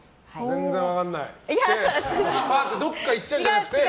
全然分かんないって言ってどっか行っちゃうんじゃなくて。